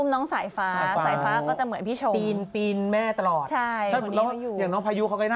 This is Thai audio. แล้วคนไหนที่แม่ชอบอุ้มคนไหน